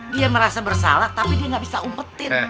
dia merasa bersalah tapi dia nggak bisa umpetin